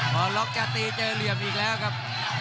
พอล็อกจะตีเจอเหลี่ยมอีกแล้วครับ